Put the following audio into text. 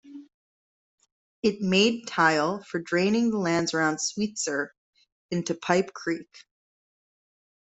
It made tile for draining the lands around Sweetser into Pipe Creek.